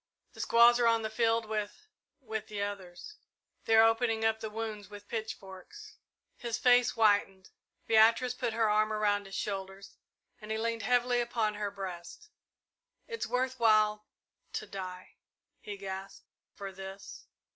The squaws are on the field with with the others. They're opening up the wounds with with pitchforks!" His face whitened. Beatrice put her arm around his shoulders, and he leaned heavily upon her breast. "It's worth while to die " he gasped "for this!"